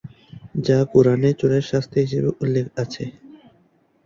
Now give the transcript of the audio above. যা কুরআনে চোরের শাস্তি হিসেবে উল্লেখ আছে।